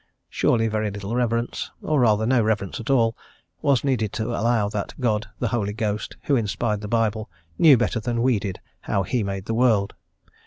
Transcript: Surely very little reverence, or rather no reverence at all, was needed to allow that God the Holy Ghost, who inspired the Bible, knew better than we did how He made the world.